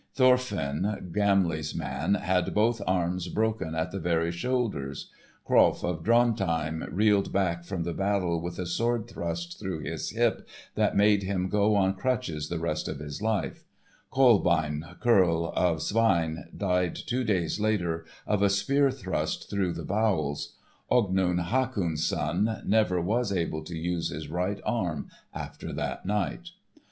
Thorfin, Gamli's man, had both arms broken at the very shoulders; Krolf of Drontheim reeled back from the battle with a sword thrust through his hip that made him go on crutches the rest of his life; Kolbein, churl of Svein, died two days later of a spear thrust through the bowels; Ognund, Hakon's son, never was able to use his right arm after that night.